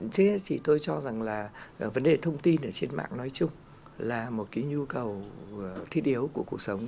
thế thì tôi cho rằng là vấn đề thông tin ở trên mạng nói chung là một cái nhu cầu thiết yếu của cuộc sống